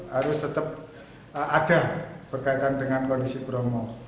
harus tetap ada berkaitan dengan kondisi bromo